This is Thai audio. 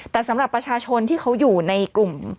แต่สำหรับประชาชนที่เขาอยู่ในกลุ่ม